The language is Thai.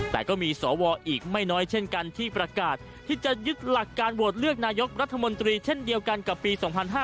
แต่ก็มีสวอีกไม่น้อยเช่นกันที่ประกาศที่จะยึดหลักการโหวตเลือกนายกรัฐมนตรีเช่นเดียวกันกับปี๒๕๕๙